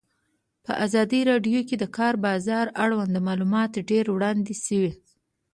په ازادي راډیو کې د د کار بازار اړوند معلومات ډېر وړاندې شوي.